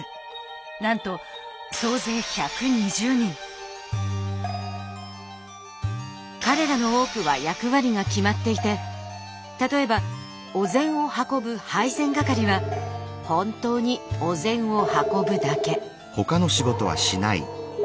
なんと彼らの多くは役割が決まっていて例えばお膳を運ぶ配膳係は本当にお膳を運ぶだけ。